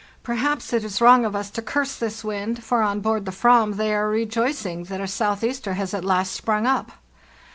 Perhaps it is wrong of us to curse this wind, for on board the Aram they are rejoicing that a southeaster has at last sprung up.